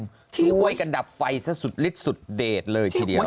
ทีนี้ที่ที่ไหวกันดับไฟสุดเล็กสุดเดชเลยทีเดียว